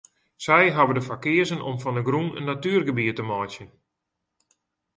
Sy hawwe der foar keazen om fan de grûn in natuergebiet te meitsjen.